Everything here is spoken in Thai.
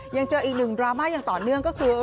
ยังเจออีกหนึ่งดราม่าอย่างต่อเนื่องก็คือ